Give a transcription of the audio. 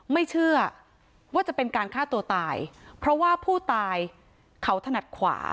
ไม่เชื่อว่าจะเป็นการฆ่าตัวตายเพราะว่าผู้ตายเขาถนัดขวา